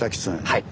はい。